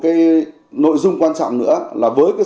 cái nội dung quan trọng nữa là với cái